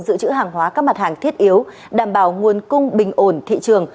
giữ chữ hàng hóa các mặt hàng thiết yếu đảm bảo nguồn cung bình ổn thị trường